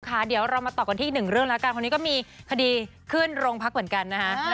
ค่ะเดี๋ยวเรามาต่อกันที่อีกหนึ่งเรื่องแล้วกันคนนี้ก็มีคดีขึ้นโรงพักเหมือนกันนะคะ